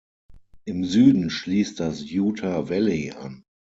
Im Süden schließt das Utah Valley an.